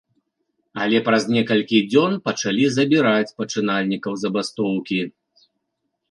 Але праз некалькі дзён пачалі забіраць пачынальнікаў забастоўкі.